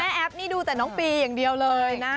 แอฟนี่ดูแต่น้องปีอย่างเดียวเลยนะ